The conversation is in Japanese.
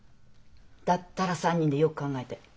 だったら３人でよく考えて。